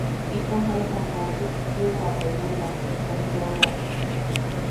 Itom jaisam joosuk tiuwapo lula itom yoʼowam.